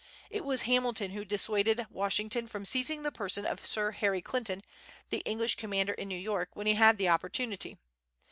It was Hamilton who dissuaded Washington from seizing the person of Sir Harry Clinton, the English commander in New York, when he had the opportunity.